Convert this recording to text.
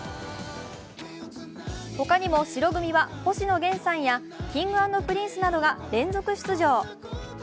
ほかにも白組は星野源さんやＫｉｎｇ＆Ｐｒｉｎｃｅなどが連続出場。